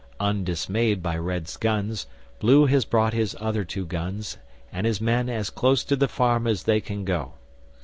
Undismayed by Red's guns, Blue has brought his other two guns and his men as close to the farm as they can go.